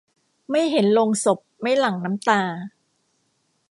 ไม่เห็นโลงศพ ไม่หลั่งน้ำตา